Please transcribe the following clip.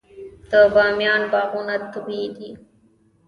د بامیان باغونه طبیعي دي.